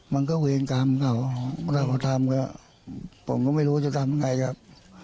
มันก็เวรกรรมเขาเวลาเขาทำก็ผมก็ไม่รู้จะทำไงครับ